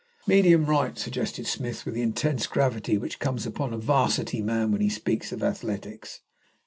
"Medium right," suggested Smith, with the intense gravity which comes upon a 'varsity man when he speaks of athletics.